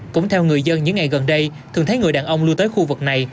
cũng theo người dân những ngày gần đây thường thấy người đàn ông lưu tới khu vực này